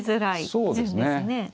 そうですね。